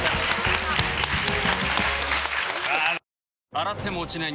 洗っても落ちない